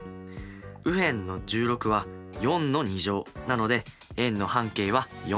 右辺の１６は４なので円の半径は４です。